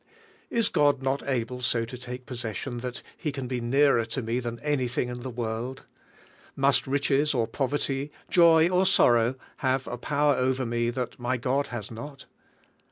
Is God not able so to take possession that He can be nearer to me than anything in the world? Must riches or poverty, joy or sorrow, have a power over me that my God has not?